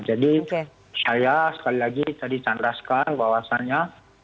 jadi saya sekali lagi tadi candraskan bahwasannya